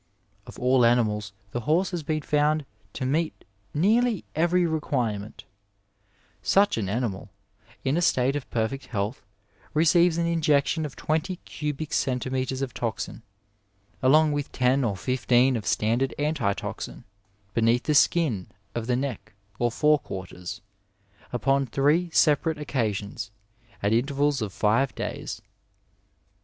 Of all animals the horse has been found to meet nearly every requirement. Such an animal, in a state of perfect health, receives an injection of twenty cubic centimetres of toxin, along with ten or fifteen of standard antitoxin, beneath the skin of the neck or fOTe 249 Digitized by Google MEDICINE IN THE NINETEENTH CENTURY quarters, upon three separate occasions at intervals of five days.